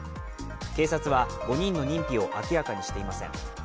警察は５人の認否を明らかにしていません。